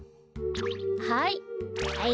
はい。